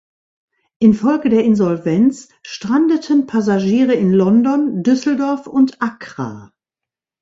Infolge der Insolvenz strandeten Passagiere in London, Düsseldorf und Accra.